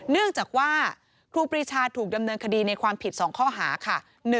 เนื่องจากว่าครูปรีชาถูกดำเนินคดีในความผิด๒ข้อหาค่ะ